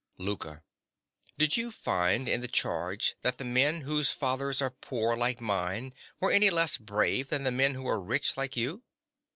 LOUKA. Did you find in the charge that the men whose fathers are poor like mine were any less brave than the men who are rich like you?